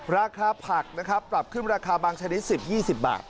ราคาผักนะครับปรับขึ้นราคาบางชนิด๑๐๒๐บาท